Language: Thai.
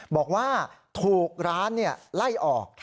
บอกว่าถูกร้านเนี่ยไล่ออก